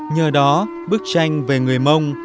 nhờ đó bức tranh về người mông